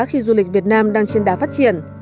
khi du lịch việt nam đang trên đá phát triển